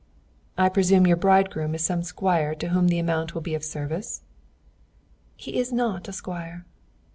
"I presume your bridegroom is some squire to whom the amount will be of service?" "He is not a squire."